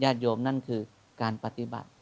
โยมนั่นคือการปฏิบัติ